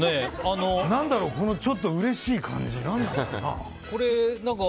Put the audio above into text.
何だろう、ちょっとうれしい感じ。